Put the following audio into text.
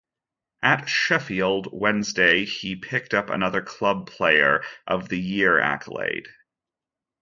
At Sheffield Wednesday he picked up another club player of the year accolade.